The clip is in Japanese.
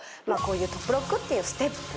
トップロックっていうステップ。